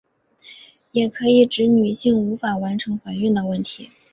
也可以指女性无法完整怀孕的问题。